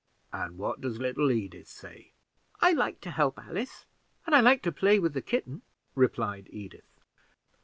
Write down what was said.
"And what does little Edith say?" "I like to help Alice, and I like to play with the kitten," replied Edith.